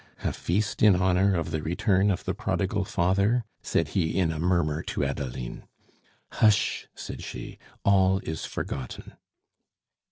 "A feast in honor of the return of the prodigal father?" said he in a murmur to Adeline. "Hush!" said she, "all is forgotten."